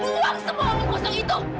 buang semua buku kosong itu